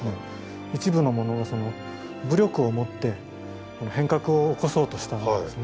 一部の者が武力をもって変革を起こそうとしたんですね。